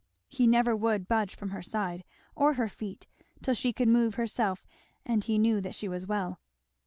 He never would budge from her side, or her feet, till she could move herself and he knew that she was well.